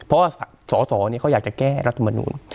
เพราะว่าสสเนี่ยเขาอยากจะแก้รัฐมนุน